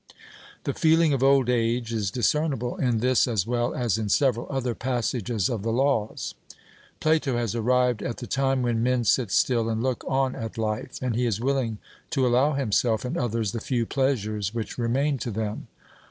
The feeling of old age is discernible in this as well as in several other passages of the Laws. Plato has arrived at the time when men sit still and look on at life; and he is willing to allow himself and others the few pleasures which remain to them.